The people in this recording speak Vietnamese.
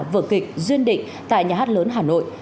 vở kịch duyên định tại nhà hát lớn hà nội